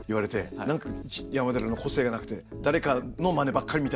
何か「山寺の個性がなくて誰かのマネばっかり」みたいな。